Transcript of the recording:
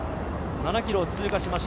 ７ｋｍを通過しました。